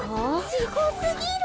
すごすぎる。